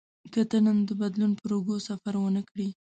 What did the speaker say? که ته نن د بدلون پر اوږو سفر ونه کړې.